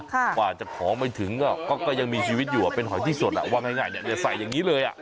กว่าจะของไม่ถึงก็ยังมีชีวิตอยู่เป็นหอยที่สดว่าง่ายเนี่ยใส่อย่างนี้เลยอ่ะ